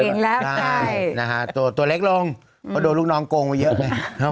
เห็นแล้วใช่นะฮะตัวเล็กลงเพราะโดนลูกน้องโกงไปเยอะเลย